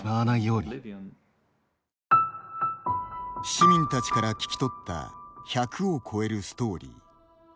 市民たちから聞きとった１００を超えるストーリー。